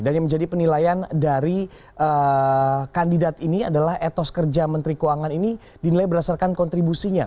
dan yang menjadi penilaian dari kandidat ini adalah etos kerja menteri keuangan ini dinilai berdasarkan kontribusinya